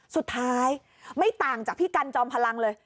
สุดท้ายไม่ต่างจากพี่กันจอมพลังเลย